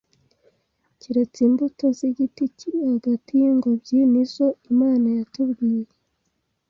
keretse imbuto z’igiti kiri hagati y’ingobyi ni zo Imana yatubwiye